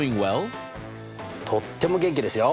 とっても元気ですよ。